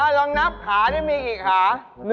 เอ้าลองนับขาจะมีกี่ขา